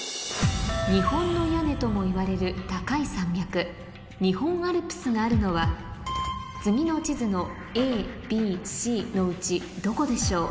日本の屋根ともいわれる高い山脈日本アルプスがあるのは次の地図のＡＢＣのうちどこでしょう？